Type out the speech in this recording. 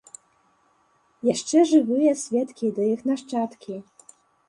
Яшчэ жывыя сведкі ды іх нашчадкі.